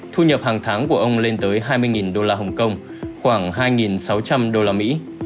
thu nhập hàng tháng của ông lên tới hai mươi đô la hồng kông khoảng hai sáu trăm linh đô la mỹ